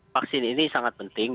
vaksin ini sangat penting